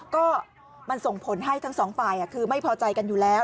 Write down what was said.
ก็มันส่งผลให้ทั้งสองฝ่ายคือไม่พอใจกันอยู่แล้ว